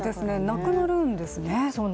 なくなるんですね。